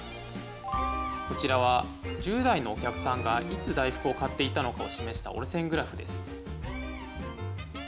こちらは１０代のお客さんがいつ大福を買っていたのかを示した折れ線グラフです。